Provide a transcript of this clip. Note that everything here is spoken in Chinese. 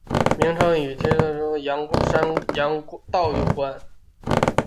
名称与五畿七道中的山阳道有关。